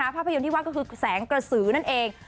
ภาพยนตร์ที่ว่าก็คือแสงกระสือนั่นเอง